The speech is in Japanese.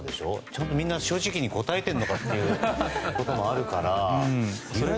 ちゃんとみんな正直に答えてるのかということもあるから。